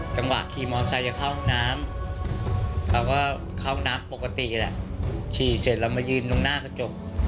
ขี่มอไซค์จะเข้าห้องน้ำเขาก็เข้าน้ำปกติแหละขี่เสร็จเรามายืนตรงหน้ากระจก